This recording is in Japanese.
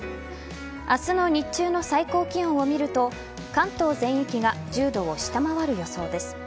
明日の日中の最高気温を見ると関東全域が１０度を下回る予想です。